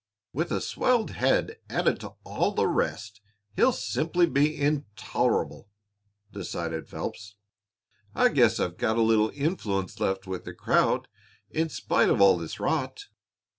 "With a swelled head added to all the rest, he'll be simply intolerable," decided Phelps. "I guess I've got a little influence left with the crowd in spite of all this rot."